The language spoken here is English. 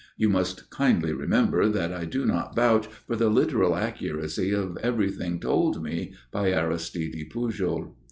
You must kindly remember that I do not vouch for the literal accuracy of everything told me by Aristide Pujol.